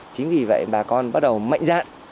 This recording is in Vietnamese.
chính vì vậy bà con bắt đầu mạnh dạn